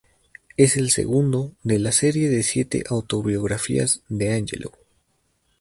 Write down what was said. Es el segundo, de la serie de siete autobiografías de Angelou.